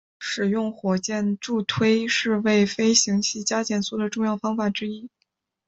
使用火箭助推是为飞行器加减速的重要方法之一。